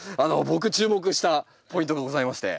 僕注目したポイントがございまして。